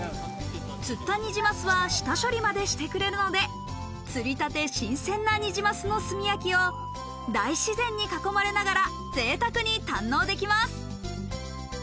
釣ったニジマスは処理までしてくれるので、釣りたて新鮮なニジマスの炭焼きを大自然に囲まれながら贅沢に堪能できます。